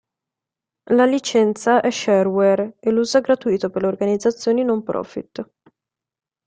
La licenza è shareware e l'uso è gratuito per le organizzazioni "non-profit".